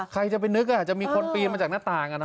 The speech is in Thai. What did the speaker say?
ใครจะไปนึกอ่ะจะมีคนปีนมาจากหน้าต่างอ่ะเนอะ